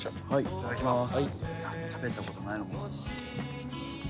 いただきます。